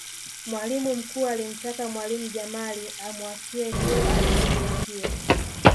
Mwalimu mkuu alimtaka mwalimu Jamal amuachie hilo alishughulikie